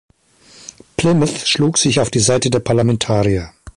Plymouth schlug sich auf die Seite der Parlamentarier.